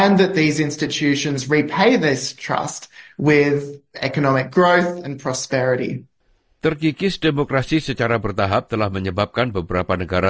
dengan kembang ekonomi dan keberuntungan